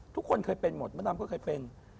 ทุกคนเคยเป็นหมดมะดำก็เคยเป็น